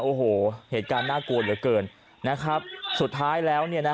โอ้โหเหตุการณ์น่ากลัวเหลือเกินนะครับสุดท้ายแล้ว